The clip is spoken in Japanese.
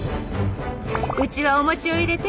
「うちはお餅を入れて」